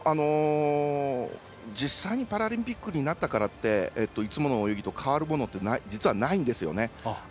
実際にパラリンピックになったからっていつもと変わるものって実は、ないんですよね。